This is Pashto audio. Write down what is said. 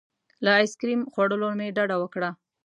له ایس کریم خوړلو مې ډډه وکړه.